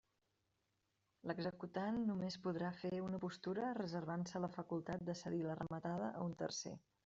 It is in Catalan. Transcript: L'executant només podrà fer una postura reservant-se la facultat de cedir la rematada a un tercer.